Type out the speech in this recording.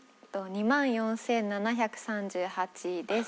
２万４７３８です。